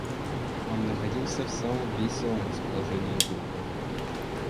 Он находился в самом веселом расположении духа.